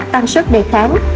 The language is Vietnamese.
tăng sức đề kháng